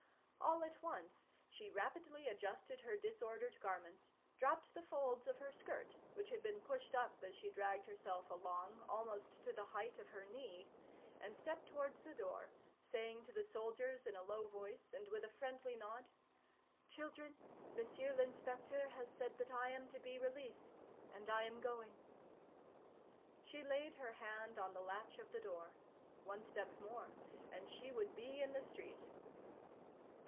All at once she rapidly adjusted her disordered garments, dropped the folds of her skirt, which had been pushed up as she dragged herself along, almost to the height of her knee, and stepped towards the door, saying to the soldiers in a low voice, and with a friendly nod:— "Children, Monsieur l'Inspecteur has said that I am to be released, and I am going." She laid her hand on the latch of the door. One step more and she would be in the street.